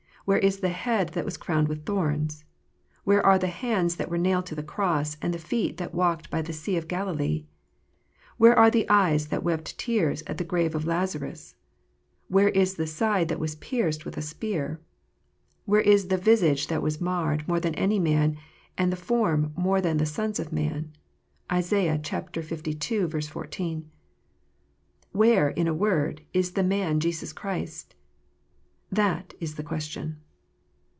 Where is the head that was crowned with thorns? Where are the hands that were nailed to the cross, and the feet that walked by the sea of Galilee 1 Where are the eyes that wept tears at the grave of Lazarus ? Where is the side that was pierced with a spear 1 Where is the " visage that was marred more than any man, and the form more than the sons of men?" (Isa. lii. 14.) Where, in a word, is the Man Christ Jesus? That is the question.